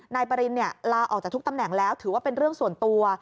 นายปรินลาออกจากทุกตำแหน่งแล้วถือว่าเป็นเรื่องส่วนตัว